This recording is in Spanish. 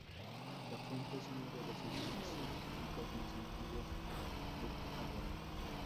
La fuente es uno de los edificios públicos más antiguos del Ágora.